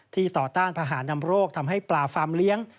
ต่อต้านพาหานำโรคทำให้ปลาฟาร์มเลี้ยง